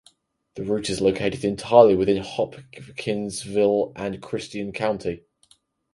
The route is located entirely within Hopkinsville and Christian County.